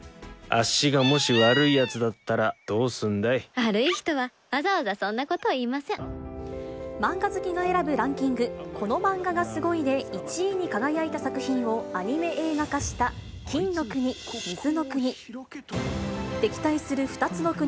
あっしがもし悪い奴だったら、悪い人は、わざわざそんなこ漫画好きが選ぶランキング、このマンガがすごい！で１位に輝いた作品をアニメ映画化した、金の国水の国。